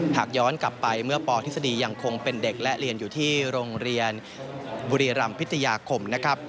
หากย้อนกลับไปเมื่อปทฤษฎียังคงเป็นเด็กและเรียนอยู่ที่โรงเรียนบุรีรำพิทยาคมนะครับ